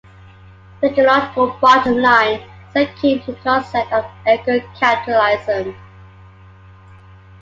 The ecological bottom line is akin to the concept of eco-capitalism.